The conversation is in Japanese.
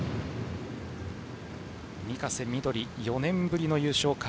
御家瀬緑、４年ぶりの優勝か。